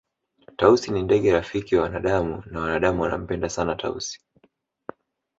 Tausi ni ndege rafiki na wanadamu na wanadamu wanampenda sana Tausi